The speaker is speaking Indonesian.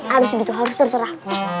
habis itu harus terserah